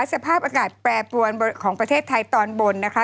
สภาพอากาศแปรปรวนของประเทศไทยตอนบนนะคะ